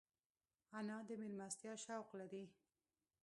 انا د مېلمستیا شوق لري